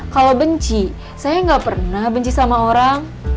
kalau benci saya gak pernah benci sama orang